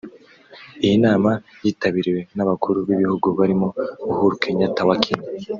Iyi nama yitabiriwe n’Abakuru b’ibihugu barimo Uhuru Kenyatta wa Kenya